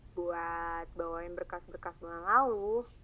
buat bawain berkas berkas bulan lalu